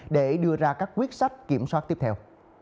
để đưa ra các quyết sách kiểm soát tiếp theo